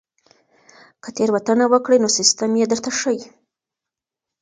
که تېروتنه وکړئ نو سیستم یې درته ښيي.